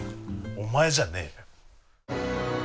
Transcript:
お前じゃねえよ。